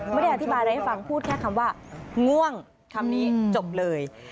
ไม่ได้อธิบายอะไรให้ฟังพูดแค่คำว่าง่วงคำนี้จบเลย